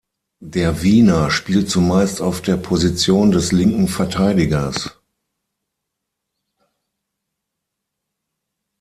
Der Wiener spielt zumeist auf der Position des linken Verteidigers.